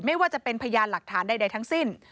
ไม่ว่าจะเป็นพยานหลักฐานใดทั้งสิ้น